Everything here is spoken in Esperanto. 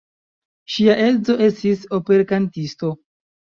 Ŝia edzo estis operkantisto.